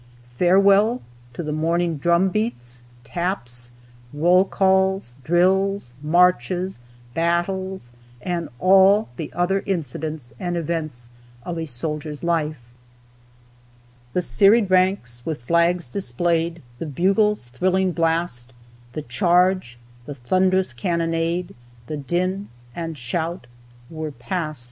Farewell to the morning drum beats, taps, roll calls, drills, marches, battles, and all the other incidents and events of a soldier's life. "The serried ranks, with flags displayed, The bugle's thrilling blast, The charge, the thund'rous cannonade, The din and shout were past."